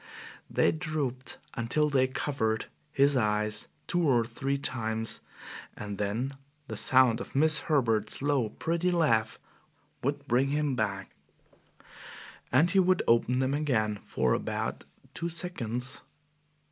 They drooped until they covered his eyes two or three times, and then the sound of Miss Herbert's low, pretty laugh would bring him back, and he would open them again for about two seconds.